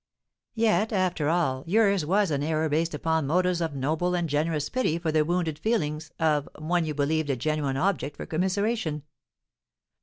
"Yet, after all, yours was an error based upon motives of noble and generous pity for the wounded feelings of one you believed a genuine object for commiseration.